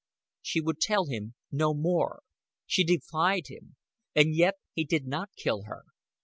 She would tell him no more; she defied him; and yet he did not kill her.